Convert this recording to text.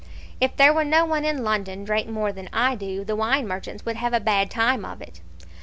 "If there were no one in London drank more than I do, the wine merchants would have a bad time of it.